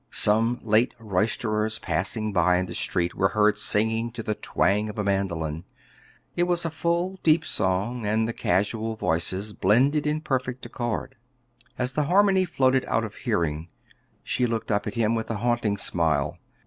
Some late roisterers passing by in the street were heard singing to the twang of a mandolin. It was a full, deep song, and the casual voices blended in perfect accord. As the harmony floated out of hearing, she looked up at him with a haunting smile.